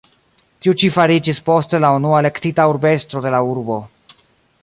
Tiu ĉi fariĝis poste la unua elektita urbestro de la urbo.